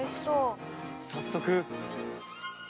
早速。